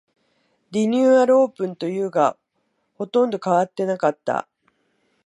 リニューアルオープンというが、ほとんど変わってなかった